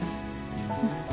うん。